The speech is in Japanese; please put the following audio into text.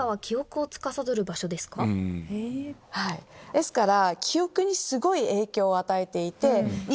ですから。